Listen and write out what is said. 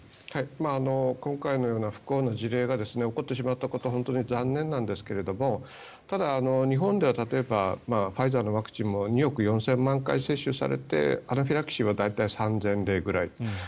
今回のような不幸な事例が起こってしまったことは本当に残念なんですがただ、日本では例えばファイザーのワクチンも２億４０００万回接種されてアナフィラキシーは大体３０００例ぐらい。